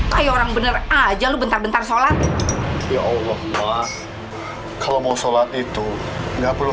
sekarang bener aja lu bentar bentar sholat ya allah maaf kalau mau sholat itu nggak perlu